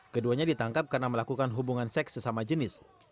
keduanya ditangkap karena melakukan hubungan seks sesama jenis